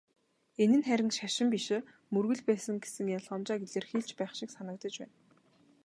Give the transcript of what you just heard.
Энэ нь харин "шашин" биш "мөргөл" байсан гэсэн ялгамжааг илэрхийлж байх шиг санагдаж байна.